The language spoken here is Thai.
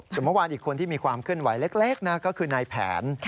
มาตรา๔๒๗สูงวันอีกคนที่มีความเคลื่อนไหวเล็กนางคือนายแผน